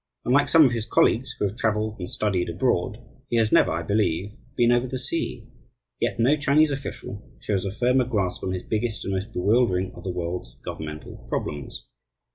Unlike some of his colleagues who have travelled and studied abroad, he has never, I believe, been over the sea; yet no Chinese official shows a firmer grasp on his biggest and most bewildering of the world's governmental problems.